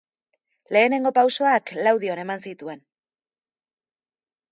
Lehenengo pausoak Laudion eman zituen.